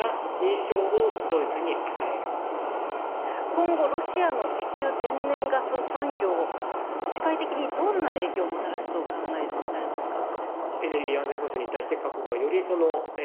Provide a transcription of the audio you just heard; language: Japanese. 今後のロシアの石油・天然ガスの産業は、世界的にどんな影響をもたらすと考えられますか？